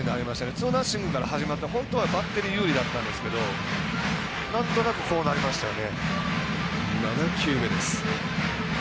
ツーナッシングなので本当はバッテリー有利だったんですけどなんとなく、こうなりましたよね。